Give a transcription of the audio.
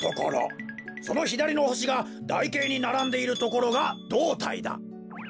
そのひだりのほしがだいけいにならんでいるところがどうたいだ。